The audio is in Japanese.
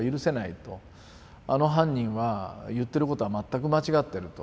あの犯人は言ってることは全く間違ってると。